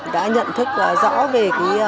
đã nhận thức rõ về